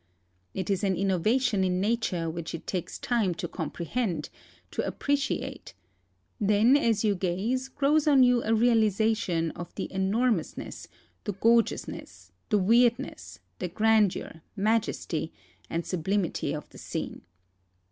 It is an inno vation in nature which it takes time to comprehend — to appre ciate ; then as you gaze grows on you a realization of the enor mousness, the gorgeousness, the weirdness, the grandeur, majesty, and sublimity of the scene.